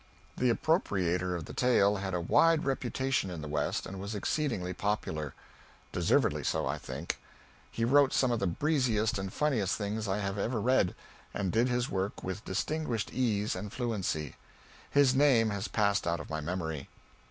The appropriator of the tale had a wide reputation in the West, and was exceedingly popular. Deservedly so, I think. He wrote some of the breeziest and funniest things I have ever read, and did his work with distinguished ease and fluency. His name has passed out of my memory.